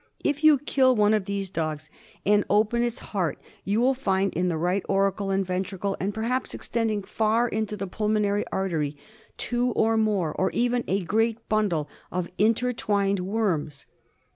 If you kill one of these dogs and open its heart you will find in the right auricle and ventricle, and perhaps extending far into the pulmonary artery, two or more, or even a great bundle of inter twined worms.